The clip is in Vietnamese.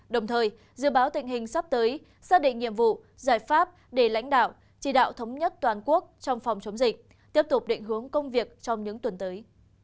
đồng thời dự báo tình hình sắp tới xác định nhiệm vụ giải pháp để lãnh đạo chỉ đạo thống nhất toàn quốc trong phòng chống dịch tiếp tục định hướng công việc trong những tuần tới